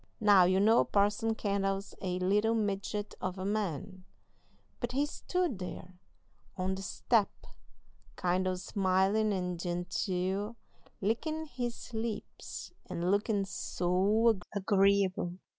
Now, you know Parson Kendall's a little midget of a man, but he stood there on the step kind o' smilin' and genteel, lickin' his lips and lookin' so agreeable!